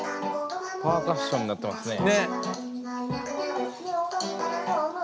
パーカッションになってますね。